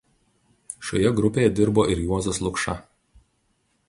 Šioje grupėje dirbo ir Juozas Lukša.